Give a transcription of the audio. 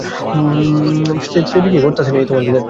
Public পরীক্ষার ফলাফল প্রতি বছর-ই সন্তোষজনক।